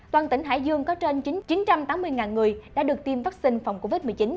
toàn tỉnh hải dương có trên chín trăm tám mươi người đã được tiêm vaccine phòng covid một mươi chín